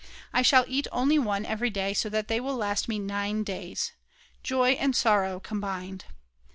I shall eat only one every day, so that they will last me 9 days. _Joy and sorrow combined!!